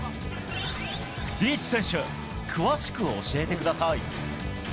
リーチ選手、詳しく教えてください。